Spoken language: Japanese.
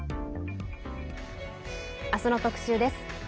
あすの特集です。